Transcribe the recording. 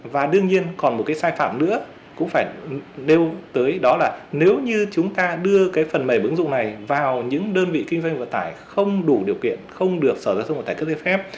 và đương nhiên còn một cái sai phạm nữa cũng phải nêu tới đó là nếu như chúng ta đưa cái phần mềm ứng dụng này vào những đơn vị kinh doanh vận tải không đủ điều kiện không được sở giao thông vận tải cấp giấy phép